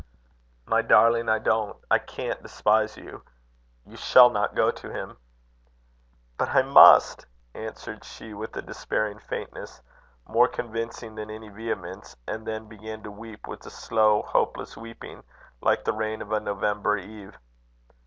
"My darling, I don't, I can't despise you. You shall not go to him." "But I must," answered she, with a despairing faintness more convincing than any vehemence; and then began to weep with a slow, hopeless weeping, like the rain of a November eve.